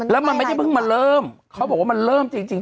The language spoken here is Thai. แล้วมันไม่ได้เพิ่งมาเริ่มเขาบอกว่ามันเริ่มจริง